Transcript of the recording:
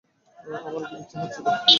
আমারও খুব ইচ্ছা হচ্ছিলো।